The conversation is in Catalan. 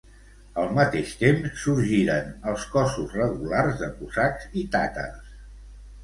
Al mateix temps, sorgiren els cossos regulars de cosacs i tàtars.